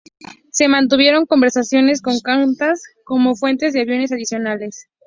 Se mantuvieron conversaciones con Qantas como fuente de aviones adicionales.